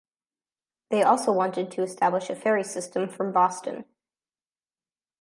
They also wanted to establish a ferry system from Boston.